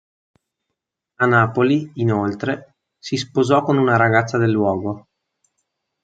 A Napoli, inoltre, si sposò con una ragazza del luogo.